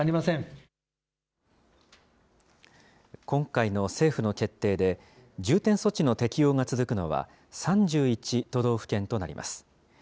今回の政府の決定で、重点措置の適用が続くのは、３１都道府県となります。